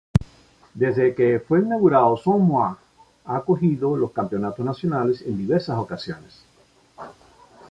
Desde que fue inaugurado "Son Moix" ha acogido los campeonatos nacionales en diversas ocasiones.